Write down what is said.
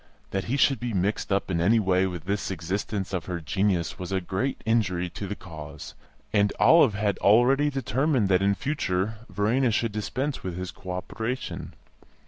That he should be mixed up in any way with this exercise of her genius was a great injury to the cause, and Olive had already determined that in future Verena should dispense with his co operation.